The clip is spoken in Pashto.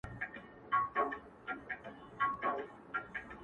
تا په پنځه لوېشتو وړيو کي سيتار وتړی